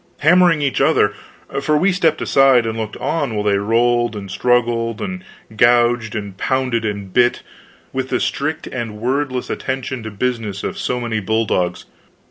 Hammering each other for we stepped aside and looked on while they rolled, and struggled, and gouged, and pounded, and bit, with the strict and wordless attention to business of so many bulldogs.